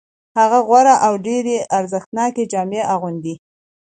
هغه غوره او ډېرې ارزښتناکې جامې اغوندي